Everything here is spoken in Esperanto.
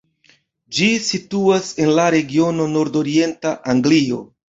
Ĝi situas en la regiono nordorienta Anglio.